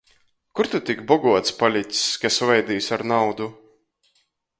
Kur tu tik boguots palics, ka svaidīs ar naudu?!